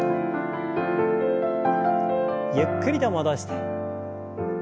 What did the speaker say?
ゆっくりと戻して。